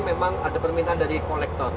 memang ada permintaan dari kolektor